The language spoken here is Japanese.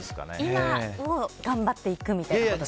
今を頑張っていくみたいなことですか。